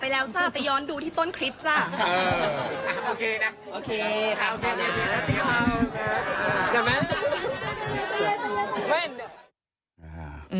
พอแล้วค่ะไม่ย้อนแล้ว